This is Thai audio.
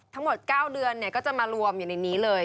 ทั้งหมด๙เดือนก็จะมารวมอยู่ในนี้เลย